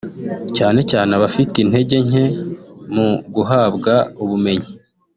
cyane cyane abafite intege nke mu guhabwa ubumenyi